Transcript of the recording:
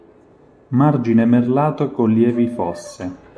Margine merlato con lievi fosse.